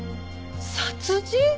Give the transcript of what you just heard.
殺人！？